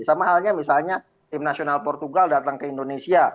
sama halnya misalnya tim nasional portugal datang ke indonesia